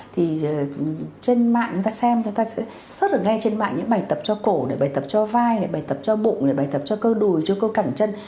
thì trên mạng chúng ta xem chúng ta sẽ sớt được nghe trên mạng những bài tập cho cổ bài tập cho vai bài tập cho bụng bài tập cho cơ đùi cho cơ cảnh chân